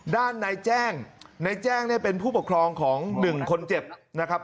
ด้านในแจ้งนายแจ้งเนี่ยเป็นผู้ปกครองของหนึ่งคนเจ็บนะครับ